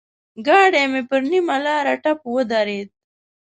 ګاډی مې پر نيمه لاره ټپ ودرېد.